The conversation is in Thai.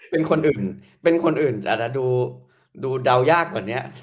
เป็นคนอื่นเป็นคนอื่นอาจจะดูเดายากกว่านี้